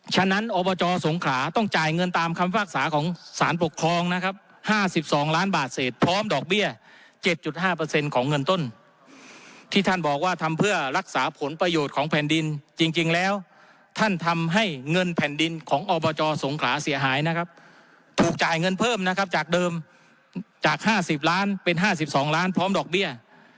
ฉะนั้นอบจสงขลาต้องจ่ายเงินตามคำภาษาของสารปกครองนะครับ๕๒ล้านบาทเศษพร้อมดอกเบี้ย๗๕ของเงินต้นที่ท่านบอกว่าทำเพื่อรักษาผลประโยชน์ของแผ่นดินจริงแล้วท่านทำให้เงินแผ่นดินของอบจสงขลาเสียหายนะครับถูกจ่ายเงินเพิ่มนะครับจากเดิมจาก๕๐ล้านเป็น๕๒ล้านพร้อมดอกเบี้ย